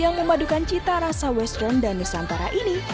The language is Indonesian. yang memadukan cita rasa western dan nusantara ini